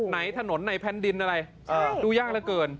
ไหนถนนไหนแผ่นดินอะไรดูยากเหลือเกิน